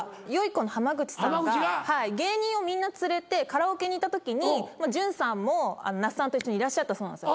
この濱口さんが芸人をみんな連れてカラオケに行ったときに准さんも那須さんと一緒にいらっしゃったそうなんですよ。